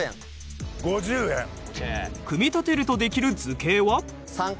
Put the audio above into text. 組み立てるとできる図形は？